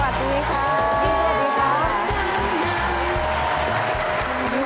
สวัสดีค่ะ